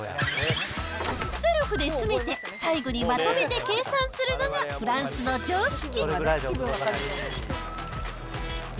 セルフで詰めて、最後にまとめて計算するのがフランスの常識。